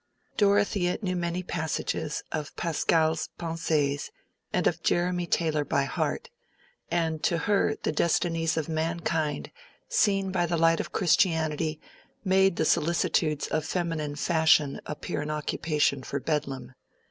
Dorothea knew many passages of Pascal's Pensees and of Jeremy Taylor by heart; and to her the destinies of mankind, seen by the light of Christianity, made the solicitudes of feminine fashion appear an occupation for Bedlam.